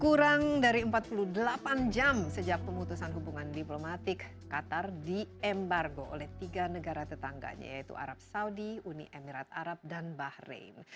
kurang dari empat puluh delapan jam sejak pemutusan hubungan diplomatik qatar diembargo oleh tiga negara tetangganya yaitu arab saudi uni emirat arab dan bahrain